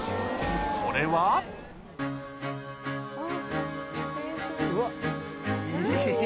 それはうわ青春。